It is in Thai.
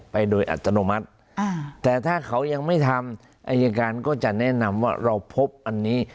ไปโดยอัตโนมัติแต่ถ้าเขายังไม่ทำอายการก็จะแนะนำว่าเราพบอันนี้